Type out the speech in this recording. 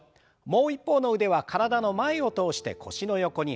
もう一方の腕は体の前を通して腰の横にあてます。